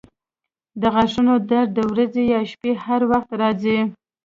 د غاښونو درد د ورځې یا شپې هر وخت راځي.